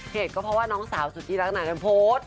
เหตุก็เพราะว่าน้องสาวสุดที่รักต่างกันโพสต์